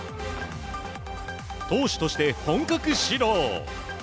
投手として本格始動。